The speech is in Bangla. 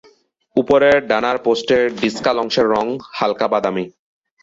উপরের ডানার পোস্ট ডিসকাল অংশের রঙ হালকা বাদামী।